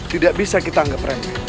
tidak bisa kita anggap remeh